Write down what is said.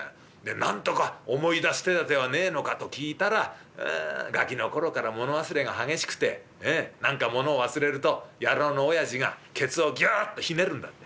なんとか思い出す手だてはねえのかと聞いたらガキの頃から物忘れが激しくて何かものを忘れると野郎の親父がケツをギュッとひねるんだって。